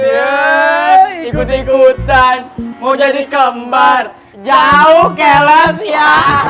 yeay ikutan ikutan mau jadi kembar jauh kelas ya